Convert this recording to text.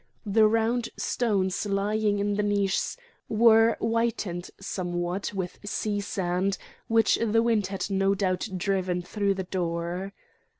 The round stones lying in the niches were whitened somewhat with sea sand which the wind had no doubt driven through the door.